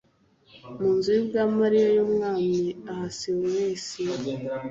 mu nzu y’ibwami, ari yo y’Umwami Ahasuwerusi